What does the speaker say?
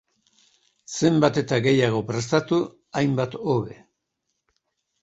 Zenbat eta gehiago prestatu, hainbat hobe.